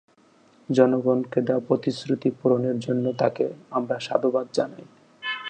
জনগণকে দেওয়া প্রতিশ্রুতি পূরণের জন্য তাঁকে আমরা সাধুবাদ জানাই।